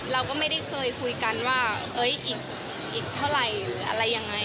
เราก็ไม่ได้เคยคุยกันว่าอีกเท่าไหร่หรืออะไรยังไง